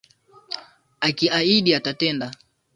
Akiahidi atatenda